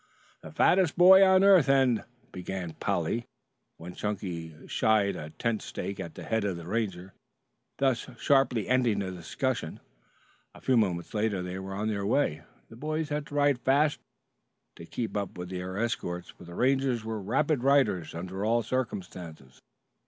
"The Fattest Boy on Earth and " began Polly when Chunky shied a tent stake at the head of the Ranger, thus sharply ending the discussion. A few moments later they were on their way. The boys had to ride rather fast to keep up with their escort, for the Rangers were rapid riders under all circumstances.